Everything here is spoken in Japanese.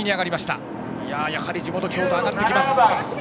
やはり地元の京都上がってきます。